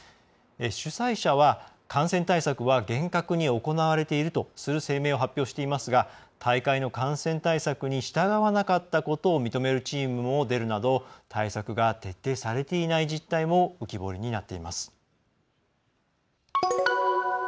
主催者は、感染対策は厳格に行われているとする声明を発表していますが大会の感染対策に従わなかったことを認めるチームも出るなど対策が徹底されていない実態も浮き彫りになっています。